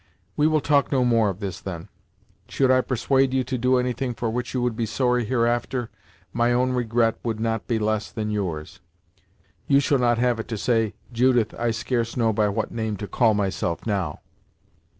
We will talk no more of this, then. Should I persuade you to anything for which you would be sorry hereafter, my own regret would not be less than yours. You shall not have it to say, Judith I scarce know by what name to call myself, now!"